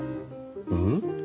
うん？